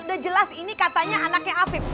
udah jelas ini katanya anaknya afib